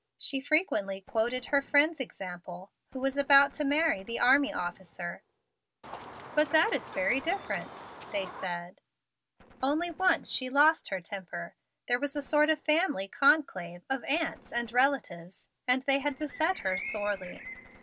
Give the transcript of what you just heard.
She frequently quoted her friend's example, who was about to marry the army officer. "But that is very different," they said. Only once she lost her temper. There was a sort of family conclave of aunts and relatives, and they had beset her sorely.